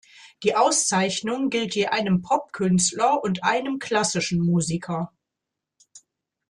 Die Auszeichnung gilt je einem Popkünstler und einem klassischen Musiker.